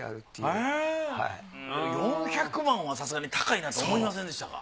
でも４００万はさすがに高いなと思いませんでしたか？